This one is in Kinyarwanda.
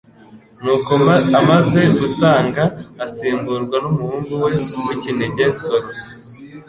Nuko amaze gutanga asimburwa n'umuhungu we w'ikinege Nsoro